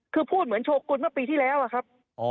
คือพูดเหมือนโชกุลเมื่อปีที่แล้วอะครับ